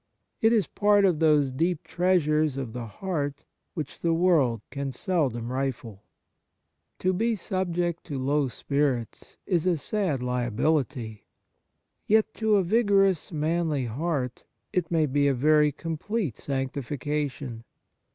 It is part of those deep treasures of the heart which the world can seldom rifle. To be subject to low spirits is a sad 104 Kindness liability. Yet, to a vigorous, manly heart, it may be a very complete sanctiftcation.